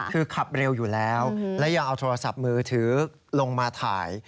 คือขับเร็วอยู่แล้วและยังเอาโทรศัพท์มือถือลงมาถ่าย